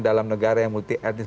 dalam negara yang multi etnis